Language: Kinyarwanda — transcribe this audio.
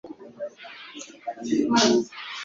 Iki twita unuhemo ntabwo ari bwo koko